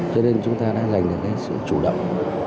cho nên chúng ta đã giành được cái sự chủ động